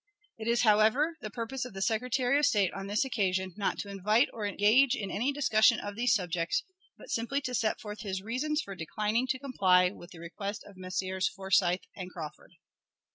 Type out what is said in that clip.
It is, however, the purpose of the Secretary of State, on this occasion, not to invite or engage in any discussion of these subjects, but simply to set forth his reasons for declining to comply with the request of Messrs. Forsyth and Crawford.